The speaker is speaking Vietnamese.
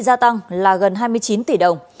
gia tăng là gần hai mươi chín tỷ đồng